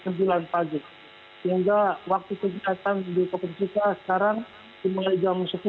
sehingga waktu kegiatan di kfd sekarang mulai jam sepuluh